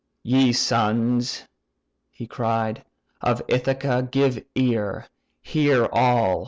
"Ye sons (he cried) of Ithaca, give ear; Hear all!